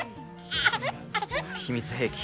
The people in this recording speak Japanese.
秘密兵器。